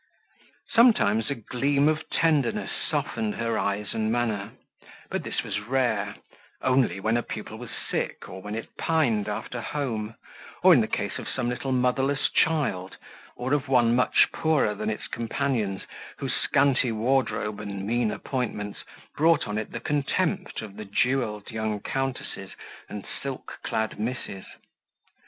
Sometimes a gleam of tenderness softened her eyes and manner, but this was rare; only when a pupil was sick, or when it pined after home, or in the case of some little motherless child, or of one much poorer than its companions, whose scanty wardrobe and mean appointments brought on it the contempt of the jewelled young countesses and silk clad misses.